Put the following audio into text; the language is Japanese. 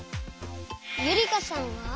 ゆりかさんは？